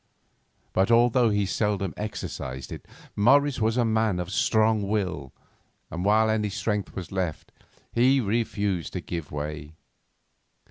But, although he seldom exercised it, Morris was a man of strong will, and while any strength was left he refused to give way.